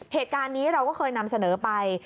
เหตุการณ์นี้เราก็เคยนำเสนอไป